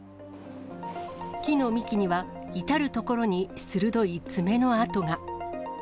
木の幹には、至る所に鋭い爪の跡が。